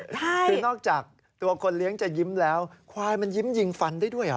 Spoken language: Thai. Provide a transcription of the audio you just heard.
คือนอกจากตัวคนเลี้ยงจะยิ้มแล้วควายมันยิ้มยิงฟันได้ด้วยเหรอ